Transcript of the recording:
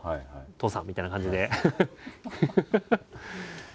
父さんみたいな感じで。